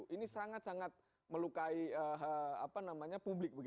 ini sangat sangat melukai publik